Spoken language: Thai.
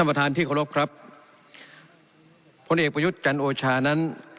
ประธานที่เคารพครับพลเอกประยุทธ์จันโอชานั้น